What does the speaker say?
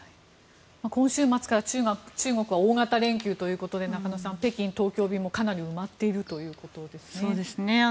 今週末から中国は大型連休ということで中野さん、北京東京便もかなり埋まっているということですね。